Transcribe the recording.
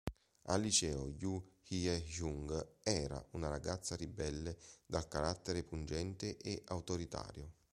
Al liceo, Yoo Hye-jung era una ragazza ribelle dal carattere pungente e autoritario.